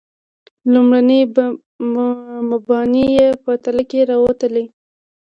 لومړني مباني یې په تله کې راوتلي.